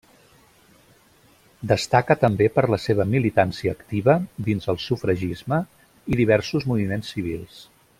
Destaca també per la seva militància activa dins el sufragisme i diversos moviments civils.